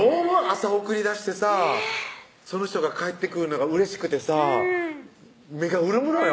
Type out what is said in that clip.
朝送り出してさぁその人が帰ってくるのが嬉しくてさぁ目が潤むのよ？